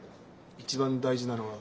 一番大事なのは。